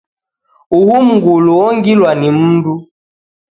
Uhu mngulu ongilwa ni mndu.